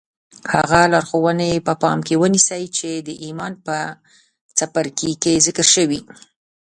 هغه لارښوونې په پام کې ونيسئ چې د ايمان په څپرکي کې ذکر شوې.